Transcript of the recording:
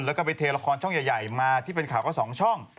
แล้วก็ไปเทละครช่องใหญ่มาที่เป็นข่าวก็๒ช่อง